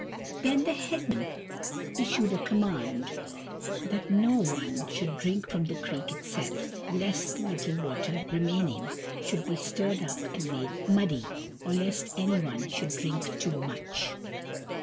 Then the head men issued a command that no one should drink from the creek itself, lest the little water remaining should be stirred up and made muddy, or lest anyone should drink too much.